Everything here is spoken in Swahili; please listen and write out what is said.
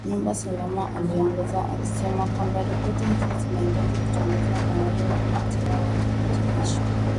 nyumba salama aliongeza akisema kwamba ripoti hizo zinahitaji kuchunguzwa na wale wenye hatia wawajibishwe